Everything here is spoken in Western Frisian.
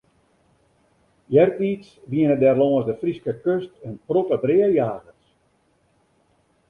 Eartiids wienen der lâns de Fryske kust in protte breajagers.